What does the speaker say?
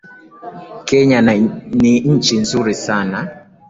Kenya ni nchi nzuri sana